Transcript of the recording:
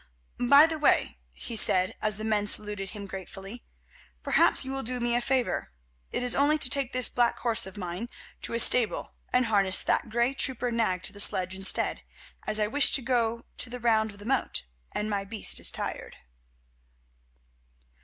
"By the way," he said, as the men saluted him gratefully, "perhaps you will do me a favour. It is only to take this black horse of mine to his stable and harness that grey trooper nag to the sledge instead, as I wish to go the round of the moat, and my beast is tired."